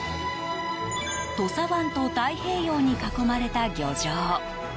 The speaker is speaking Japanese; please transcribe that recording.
土佐湾と太平洋に囲まれた漁場。